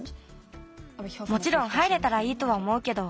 もちろん入れたらいいとはおもうけど。